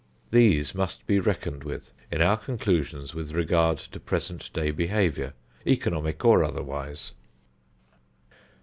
These must be reckoned with in our conclusions with regard to present day behavior, economic or otherwise.